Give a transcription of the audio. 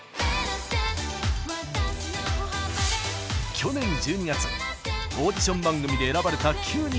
昨年１２月オーディション番組で選ばれた９人がデビュー。